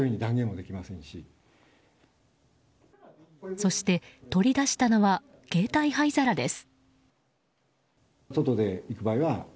そして取り出したのは携帯灰皿です。